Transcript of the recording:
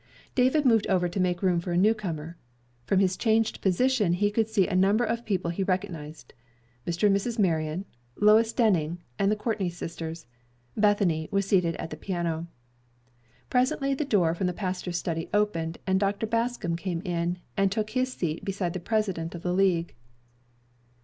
David moved over to make room for a newcomer. From his changed position he could see a number of people he recognized: Mr. and Mrs. Marion, Lois Denning, and the Courtney sisters. Bethany was seated at the piano. Presently the door from the pastor's study opened, and Dr. Bascom came in and took his seat beside the president of the League.